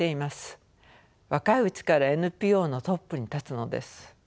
若いうちからＮＰＯのトップに立つのです。